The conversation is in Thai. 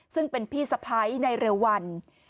ซึ่งเป็นพี่สะพ้ายในเร็ววัน